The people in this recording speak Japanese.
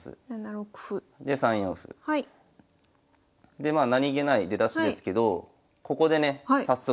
でまあ何気ない出だしですけどここでね早速。